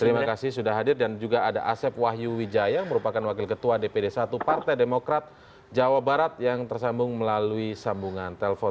terima kasih sudah hadir dan juga ada asep wahyu wijaya yang merupakan wakil ketua dpd satu partai demokrat jawa barat yang tersambung melalui sambungan telpon